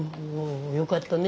よかったね